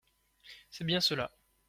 C’est bien cela.